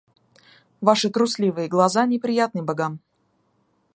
Ваши трусливые глаза неприятны богам.